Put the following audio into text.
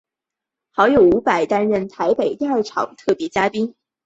好友伍佰担任台北第二场特别嘉宾。